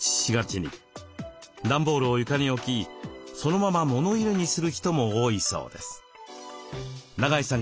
段ボールを床に置きそのまま物入れにする人も多いそうです。